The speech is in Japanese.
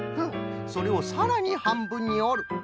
それをさらにはんぶんにおる。